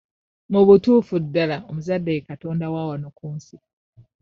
Mu butuufu ddala omuzadde ye katonda wa wano ku nsi.